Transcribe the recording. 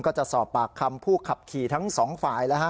ก็จะสอบปากคำผู้ขับขี่ทั้งสองฝ่ายแล้วฮะ